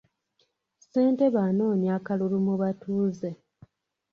Ssentebe anoonya akalulu mu batuuze.